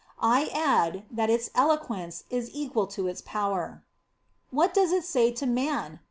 "* I add, that its eloquence is equal to its power. What does it say to man